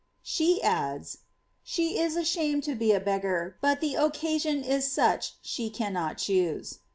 ^' She adds, '^She is af^iiamed e a beggar, but the occasion is such she cannot choose.''